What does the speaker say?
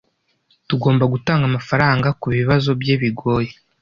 Tugomba gutanga amafaranga kubibazo bye bigoye.